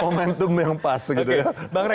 komentum yang pas gitu ya